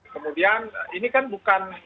kemudian ini kan bukan